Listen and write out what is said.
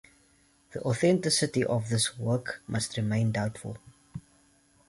The authenticity of this work must remain doubtful.